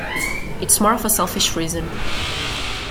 It's more of a selfish reason.